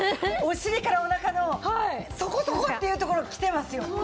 お尻からおなかのそこそこ！っていう所きてますよ。